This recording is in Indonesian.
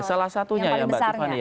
salah satunya ya mbak tiffany